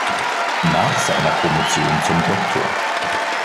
Nach seiner Promotion zum "Dr.